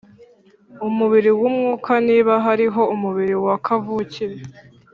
umubiri w umwuka Niba hariho umubiri wa kavukire